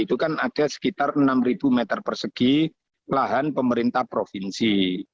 itu kan ada sekitar enam meter persegi lahan pemerintah provinsi